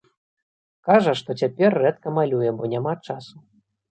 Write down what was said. Кажа, што цяпер рэдка малюе, бо няма часу.